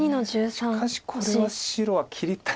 しかしこれは白は切りたいです。